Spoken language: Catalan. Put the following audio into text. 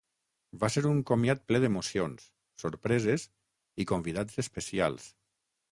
Va ser un comiat ple d’emocions, sorpreses i convidats especials.